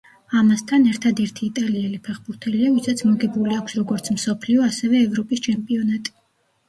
ამასთან, ერთადერთი იტალიელი ფეხბურთელია, ვისაც მოგებული აქვს როგორც მსოფლიო, ასევე, ევროპის ჩემპიონატი.